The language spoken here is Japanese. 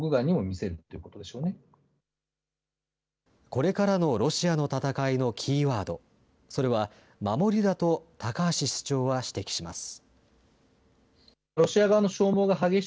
これからのロシアの戦いのキーワード、それは、守りだと高橋室長は指摘します。